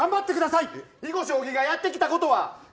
囲碁将棋がやってきたことは。